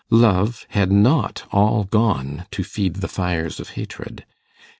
Love had not all gone to feed the fires of hatred.